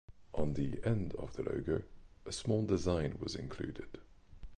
On the end of the logo, a small design was included.